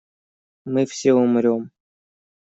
Мы все умрём!